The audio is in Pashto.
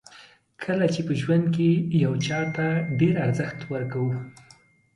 کله چې په ژوند کې یو چاته ډېر ارزښت ورکوو.